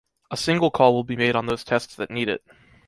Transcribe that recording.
A single call will be made on those tests that need it.